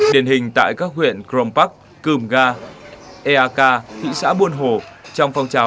điển hình tại các huyện crom park cường ga eak thị xã buôn hồ trong phòng trào